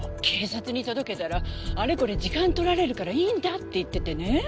警察に届けたらあれこれ時間取られるからいいんだって言っててね。